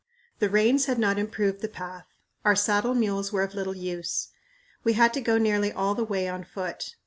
The rains had not improved the path. Our saddle mules were of little use. We had to go nearly all the way on foot.